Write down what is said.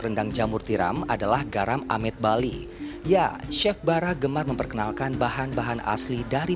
rendang jamur tiram adalah garam amet bali ya chef bara gemar memperkenalkan bahan bahan asli dari